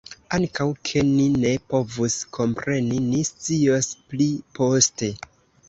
Ankaŭ ke ni ne povus kompreni; ni scios pli poste.